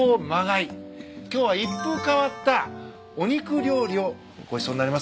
今日は一風変わったお肉料理をごちそうになります。